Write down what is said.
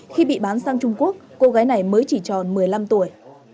khi bị bán sang trung quốc cô gái này mới chỉ tròn một mươi năm tuổi